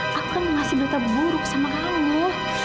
tuh kan masih berita buruk sama kamu